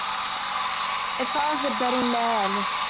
If I was a betting man.